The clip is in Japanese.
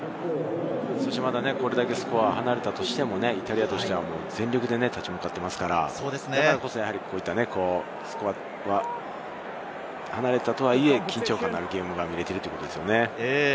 これだけスコアが離れたとしても、イタリアとしては全力で立ち向かっていますから、だからこそ、スコアが離れたとはいえ、緊張感のあるゲームが見られていますね。